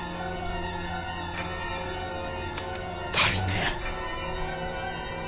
足りねえ。